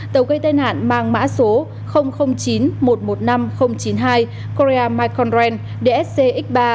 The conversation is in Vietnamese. tàu gây tai nạn mang mã số chín một trăm một mươi năm chín mươi hai korea mai conran dsc x ba